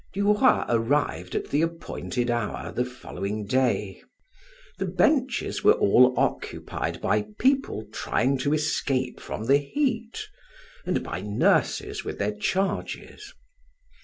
Du Roy arrived at the appointed hour the following day. The benches were all occupied by people trying to escape from the heat and by nurses with their charges.